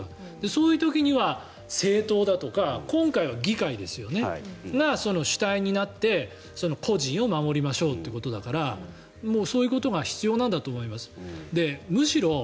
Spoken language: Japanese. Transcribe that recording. そういう時には政党だとか今回は議会が主体となって個人を守りましょうということだからそういうことが必要なんだと思います。